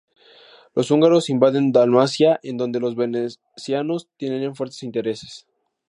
Los húngaros invaden Dalmacia, en donde los venecianos tenían fuertes intereses.